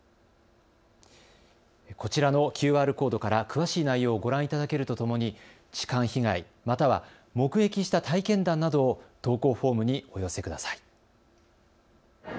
こちらのＱＲコードから詳しい内容をご覧いただけるとともに痴漢被害、または目撃した体験談などを投稿フォームにお寄せください。